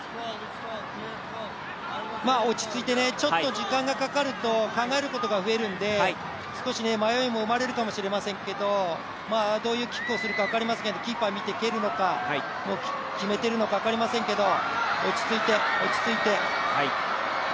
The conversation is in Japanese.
落ち着いて、ちょっと時間がかかると考えることが増えるので少し迷いも生まれるかもしれませんけど、どういうキックをするか分かりませんけどキーパー見て蹴るのか、決めているのか分かりませんけど落ち着いて。